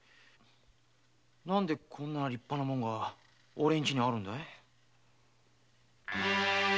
なんでこんな立派なもんが俺んちにあるんだ？